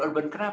urban yang indah